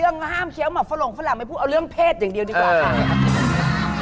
เรื่องห้ามเขี้ยวเหมาะฟะหลงฟะหล่ำไม่พูดเอาเรื่องเพศอย่างเดียวดีกว่าค่ะ